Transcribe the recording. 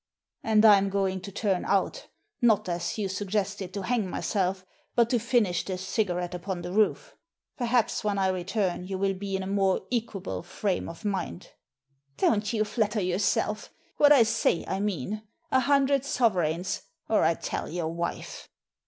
*' "And I'm going to turn out Not, as you sug gested, to hang myself, but to finish this cigarette upon the roof. Perhaps, when I return, you will be ki a more equable frame of mind." " Don't you flatter yourself. What I say I mean. A hundred sovereigns, or I tell your wife."